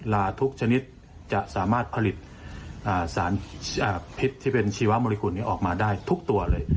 ลาทุกชนิดจะสามารถผลิตสารพิษที่เป็นชีวมริกุลออกมาได้ทุกตัวเลย